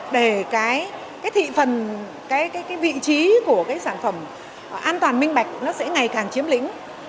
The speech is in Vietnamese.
để cái vị trí của sản phẩm an toàn minh bạch nó sẽ ngày càng chiếm lĩnh